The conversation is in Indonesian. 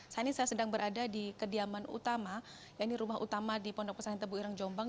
saat ini saya sedang berada di kediaman utama ya ini rumah utama di pondok pesantren tebu ireng jombang